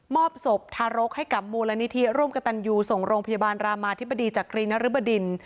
อบศพทารกให้กับมูลนิธิร่วมกับตันยูส่งโรงพยาบาลรามาธิบดีจักรีนริบดิน